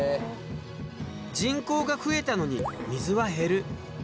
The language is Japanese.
人口が増えたのに水は減る。